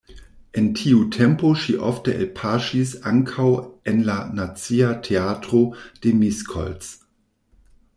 En tiu tempo ŝi ofte elpaŝis ankaŭ en la Nacia Teatro de Miskolc.